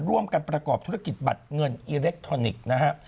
ร่วมกันประกอบธุรกิจบัตรเงินอิเล็กทรอนิกส์นะฮะ